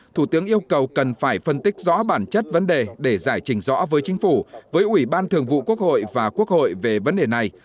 thủ tướng yêu cầu cần phải phân tích rõ bản chất vấn đề để giải trình rõ với chính phủ với ủy ban thường vụ quốc hội và quốc hội về vấn đề này